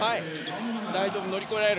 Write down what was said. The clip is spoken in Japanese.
大丈夫、乗り越えられる。